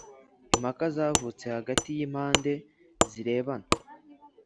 Impaka zavutse hagati y impande zirebana